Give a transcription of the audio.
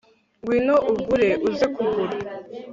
Ngwino ugure uze kugura